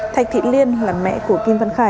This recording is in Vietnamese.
thạch thị liên là mẹ của kim văn khải